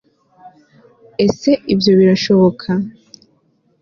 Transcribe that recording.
ese ibyo birashoboka